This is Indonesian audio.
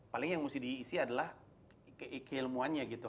paling yang mesti diisi adalah keilmuannya gitu